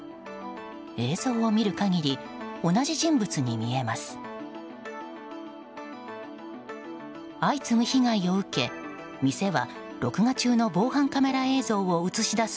映像を見る限り同じ人物に見えます。